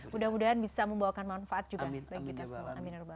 mudah mudahan bisa membawakan manfaat juga